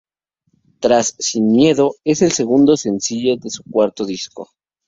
Tras "Sin miedo", es el segundo sencillo de su cuarto disco.